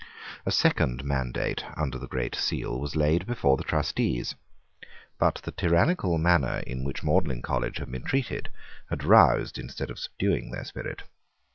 A second mandate under the Great Seal was laid before the trustees: but the tyrannical manner in which Magdalene College had been treated had roused instead of subduing their spirit.